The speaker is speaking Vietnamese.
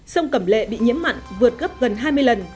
sông cẩm lệ bị nhiễm mặn vượt gấp gần hai mươi lần